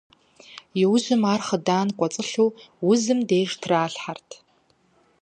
Иужькӏэ ар хъыдан кӏуэцӏылъу узым деж тралъхьэрт.